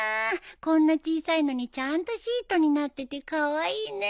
こんな小さいのにちゃんとシートになっててカワイイね。